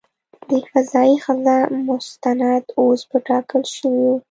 د "فضايي ښځه" مستند اوس په ټاکل شویو .